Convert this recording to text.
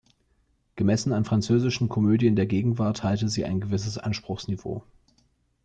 Gemessen an französischen Komödien der Gegenwart halte sie ein gewisses Anspruchsniveau.